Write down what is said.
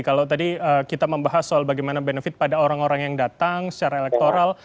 kalau tadi kita membahas soal bagaimana benefit pada orang orang yang datang secara elektoral